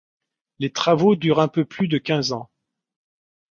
Les travaux durent un peu plus de quinze ans.